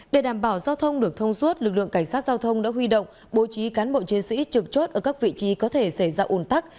để đảm bảo giao thông được thông suốt lực lượng cảnh sát giao thông đã huy động bố trí cán bộ chiến sĩ trực chốt ở các vị trí có thể xảy ra ồn tắc